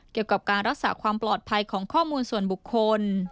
เกี่ยวกับการรักษาความปลอดภัยของข้อมูลส่วนบุคคล